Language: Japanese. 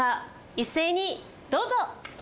一斉にどうぞ！